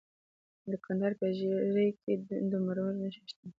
د کندهار په ژیړۍ کې د مرمرو نښې شته.